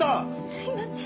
すいません。